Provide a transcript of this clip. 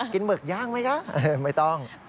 หมึกย่างไหมคะไม่ต้อง